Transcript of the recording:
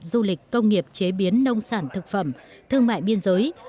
du lịch công nghiệp chế biến nông sản thực phẩm thương mại biên giới